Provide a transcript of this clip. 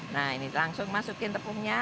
nah ini langsung masukin tepungnya